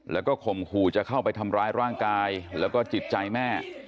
แล้วก็ข่มขู่จะเข้าไปทำร้ายร่างกายแล้วก็จิตใจแม่